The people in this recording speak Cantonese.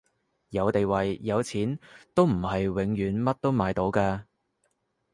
有地位有錢都唔係永遠乜都買到㗎